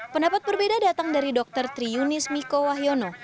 pendapat berbeda datang dari dr triunis miko wahyono